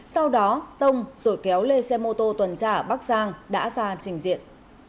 sau đó tông rồi kéo lê xe mô tô tuần trả bắc giang đã ra trình diện